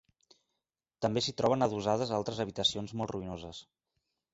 També s'hi troben adossades altres habitacions molt ruïnoses.